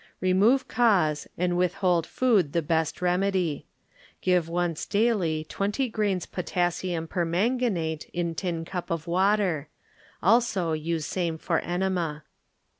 Remove cause and withhold food the best remedy. Give once daily twenty grains potassium per manganate in tincup of water; also use same for enema.